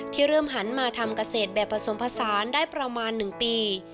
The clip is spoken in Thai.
เริ่มหันมาทำเกษตรแบบผสมผสานได้ประมาณ๑ปี